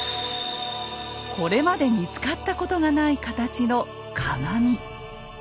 これまで見つかったことがない形の鏡。